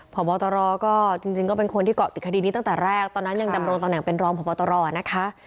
พบตรก็จริงก็เป็นคนที่เกาะติดคดีนี้ตั้งแต่แรกตอนนั้นยังดำรงตำแหน่งเป็นรองพบตรนะคะ